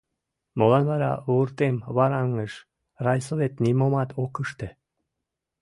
Молан вара Вуртем-Вараҥыж райсовет нимомат ок ыште?